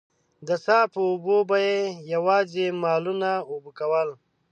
د څاه په اوبو به يې يواځې مالونه اوبه کول.